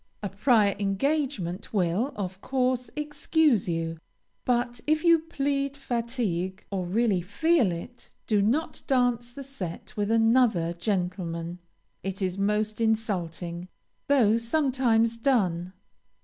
A prior engagement will, of course, excuse you, but if you plead fatigue, or really feel it, do not dance the set with another gentleman; it is most insulting, though sometimes done.